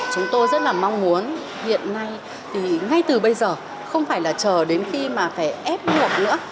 chúng tôi rất là mong muốn hiện nay thì ngay từ bây giờ không phải là chờ đến khi mà phải ép buộc nữa